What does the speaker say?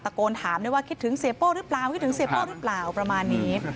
โกนถามด้วยว่าคิดถึงเสียโป้หรือเปล่าคิดถึงเสียโป้หรือเปล่าประมาณนี้